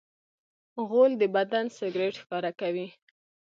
غول د بدن سګرټ ښکاره کوي.